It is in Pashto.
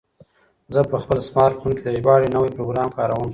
زه په خپل سمارټ فون کې د ژباړې نوی پروګرام کاروم.